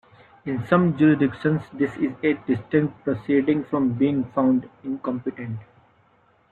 In some jurisdictions, this is a distinct proceeding from being "found incompetent".